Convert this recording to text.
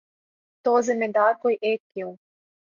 تو ذمہ دار کوئی ایک کیوں؟